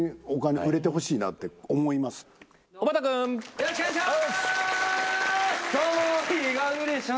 よろしくお願いします！